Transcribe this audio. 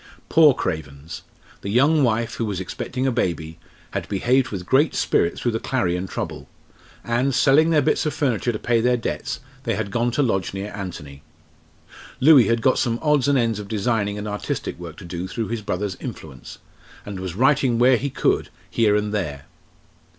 Poor Cravens! The young wife, who was expecting a baby, had behaved with great spirit through the Clarion trouble; and, selling their bits of furniture to pay their debts, they had gone to lodge near Anthony. Louis had got some odds and ends of designing and artistic work to do through his brother's influence; and was writing where he could, here and there.